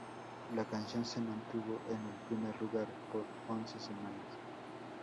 La canción se mantuvo en el primer lugar por once semanas.